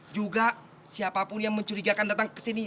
juga siapapun yang mencurigakan datang kesini